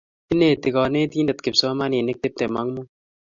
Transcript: Ineti kanetindet kipsomaninik tiptem ak muut.